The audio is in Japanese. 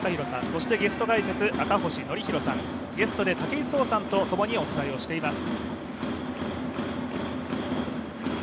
そしてゲスト解説、赤星憲広さん、ゲストで武井壮さんと共にお伝えをしています。